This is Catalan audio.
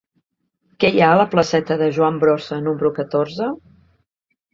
Què hi ha a la placeta de Joan Brossa número catorze?